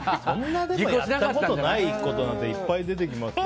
やったことないことなんかいっぱい出てきますから。